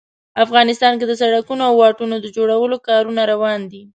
افغانستان کې د سړکونو او واټونو د جوړولو کارونه روان دي